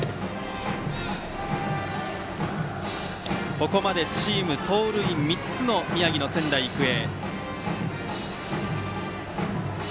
ここまでチーム盗塁３つの宮城の仙台育英。